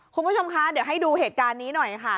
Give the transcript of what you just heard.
คุณผู้ชมคะเดี๋ยวให้ดูเหตุการณ์นี้หน่อยค่ะ